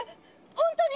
本当に？